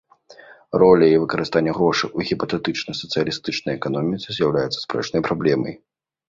Роля і выкарыстанне грошай у гіпатэтычнай сацыялістычнай эканоміцы з'яўляецца спрэчнай праблемай.